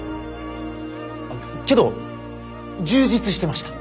けど充実してました。